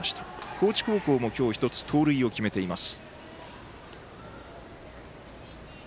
高知高校も今日１つ盗塁を決めています。